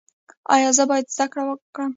ایا زه باید زده کړم؟